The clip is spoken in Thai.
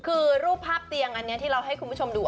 คือรูปภาพเตียงอันนี้ที่เราให้คุณผู้ชมดู